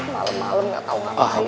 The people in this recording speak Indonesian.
malem malem gak tahu ngapain